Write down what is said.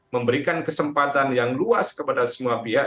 memberikan kesempatan yang luas kepada semua pihak